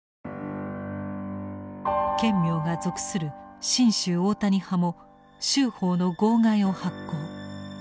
顕明が属する真宗大谷派も宗報の号外を発行。